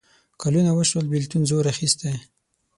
کلونه وشول بېلتون زور اخیستی.